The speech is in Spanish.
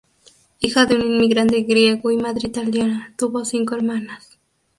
Hija de un inmigrante griego y madre italiana, tuvo cinco hermanas.